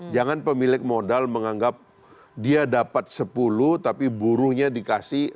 jangan pemilik modal menganggap dia dapat sepuluh tapi buruhnya dikasih